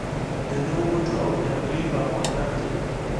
د نوو بوټو او نیالګیو باغوانان دي.